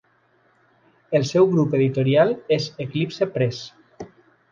El seu grup editorial és Eclipse Press.